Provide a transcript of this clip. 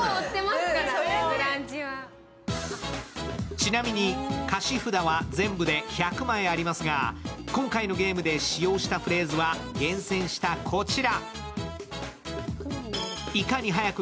ちなみに、歌詞札は全部で１００枚ありますが今回のゲームで使用したフレーズは厳選したこちら。